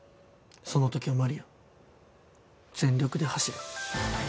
その時はマリア全力で走れ。